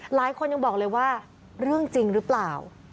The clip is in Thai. หลายคนยังบอกเลยว่าเรื่องจริงหรือเปล่า